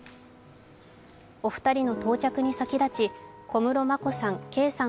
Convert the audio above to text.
お二人の到着に先立ち、小室眞子さん、圭さん